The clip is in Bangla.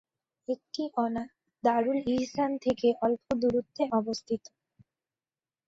একটি অনাথ দারুল ইহসান থেকে অল্প দূরত্বে অবস্থিত।